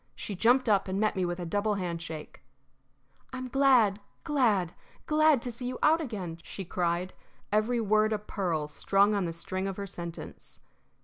She jumped up and met me with a double handshake. "I'm glad, glad, glad to see you out again!" she cried, every word a pearl strung on the string of her sentence.